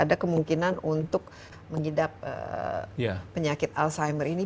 ada kemungkinan untuk mengidap penyakit alzheimer ini